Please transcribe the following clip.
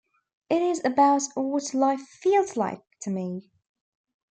It is about what life "feels" like to me.